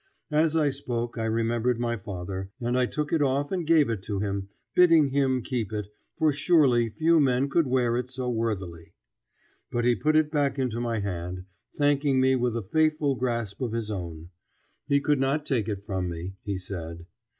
As I spoke I remembered my father, and I took it off and gave it to him, bidding him keep it, for surely few men could wear it so worthily. But he put it back into my hand, thanking me with a faithful grasp of his own; he could not take it from me, he said.